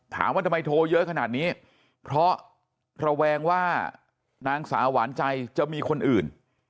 ถามว่าทำไมโทรเยอะขนาดนี้เพราะระแวงว่านางสาวหวานใจจะมีคนอื่น